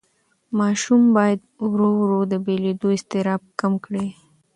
ماشوم باید ورو ورو د بېلېدو اضطراب کمه کړي.